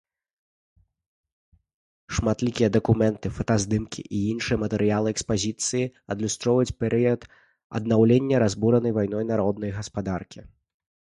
Шматлікія дакументы, фотаздымкі і іншыя матэрыялы экспазіцыі адлюстроўваюць перыяд аднаўлення разбуранай вайной народнай гаспадаркі.